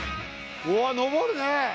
うわ登るね。